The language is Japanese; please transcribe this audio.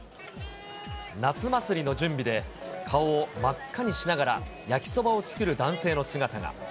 夏祭りの準備で、顔を真っ赤にしながら焼きそばを作る男性の姿が。